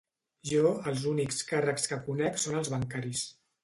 Jo, els únics càrrecs que conec són els bancaris.